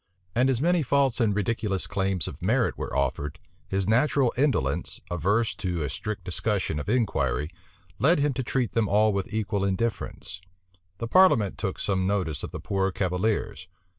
And as many false and ridiculous claims of merit were offered, his natural indolence, averse to a strict discussion or inquiry, led him to treat them all with equal indifference. The parliament took some notice of the poor cavaliers.